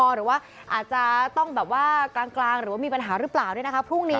หรือว่าอาจจะต้องแบบว่ากลางหรือว่ามีปัญหาหรือเปล่าด้วยนะคะ